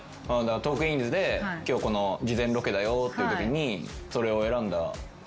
『トークィーンズ』で今日この事前ロケだよっていうときにそれを選んだ理由。